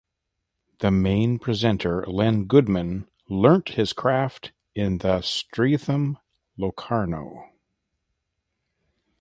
The main presenter Len Goodman learnt his craft in the Streatham Locarno.